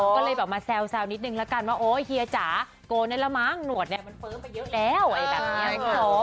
ก็เลยมาแซวนิดนึงแล้วกันว่าเฮียจ๋าโกนนะละมั้งหนวดเนี่ยมันเฟิร์มไปเยอะแล้ว